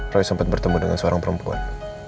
roy sempat bertemu dengan seorang perempuan